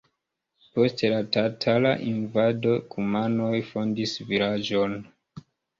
Post la tatara invado kumanoj fondis vilaĝon.